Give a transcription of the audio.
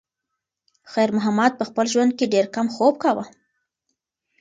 خیر محمد په خپل ژوند کې ډېر کم خوب کاوه.